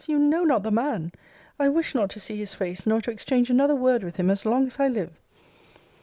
you know not the man! I wish not to see his face, nor to exchange another word with him as long as I live.